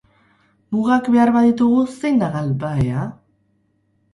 Mugak behar baditugu zein da galbahea?